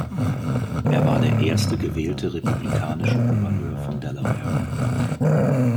Er war der erste gewählte republikanische Gouverneur von Delaware.